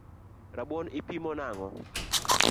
Rabuon ipimo nang’o?